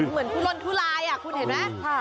เหมือนคุณล่นทุลายน่ะคุณเห็นไหม